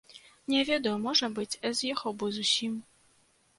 Не ведаю, можа быць, з'ехаў бы зусім.